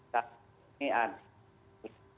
tapi ini ada